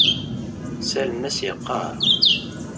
Ssalen-as yeqqar.